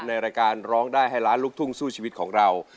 ในรายการร้องได้ให้ล้านลูกทุ่งสู้ชีวิตของเรา